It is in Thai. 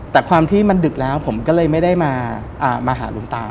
แต่ความที่มันดึกแล้วผมก็เลยไม่ได้มาหาหลวงตา